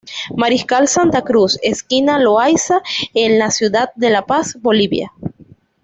Mariscal Santa Cruz esquina Loayza, en la ciudad de La Paz, Bolivia.